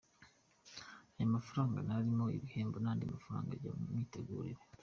Ayo mafaranga ntarimo ibihembo n’andi mafaranga ajya mu mitegurire.’’